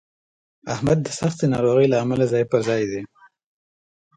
احمد د سختې ناروغۍ له امله ځای په ځای دی.